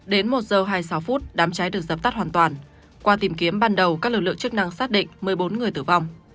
đến một h hai mươi sáu phút đám cháy được dập tắt hoàn toàn qua tìm kiếm ban đầu các lực lượng chức năng xác định một mươi bốn người tử vong